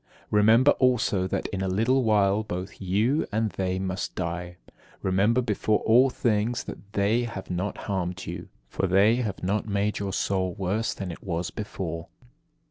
Remember also that in a little while both you and they must die: remember before all things that they have not harmed you, for they have not made your soul worse than it was before.